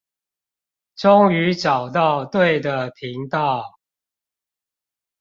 終於找到對的頻道